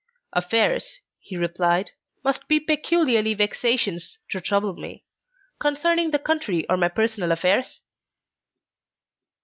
"Affairs," he replied, "must be peculiarly vexatious to trouble me. Concerning the country or my personal affairs?"